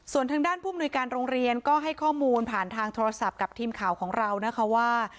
ส่วนทางด้านผู้มนุยการโรงเรียนก็ให้ข้อมูลผ่านทางโทรศัพท์กับทีมข่าวของเรานะคะว่า